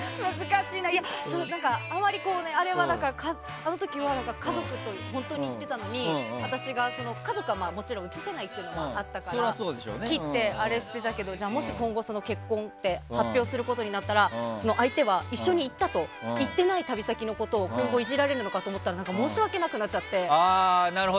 あの時は家族と本当に行ってたのに私は家族は映せないっていうのもあったから切ったけど今後、もし結婚と発表することになったら相手は一緒に行ったと行ってない旅先のことを今後、いじられるのかと思ったら申し訳なくなっちゃって。